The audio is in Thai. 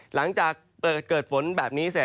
หลังจากเกิดฝนแบบนี้